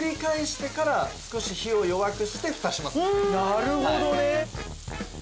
なるほどね！